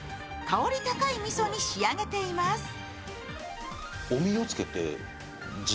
香り高いみそに仕上げています。